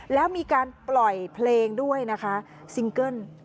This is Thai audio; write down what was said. แล้วมีการปล่อยเพลงด้วยนะคะซิงเกิ้ล